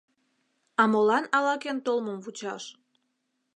— А молан ала-кӧн толмым вучаш?